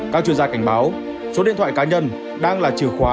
các chuyên gia cảnh báo số điện thoại cá nhân đang là chìa khóa